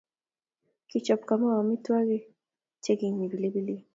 Kichop Kamau amitwogik che kinyei pilipilik